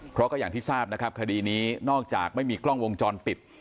เพราะก็อย่างที่ทราบนะครับคดีนี้นอกจากไม่มีกล้องวงจรปิด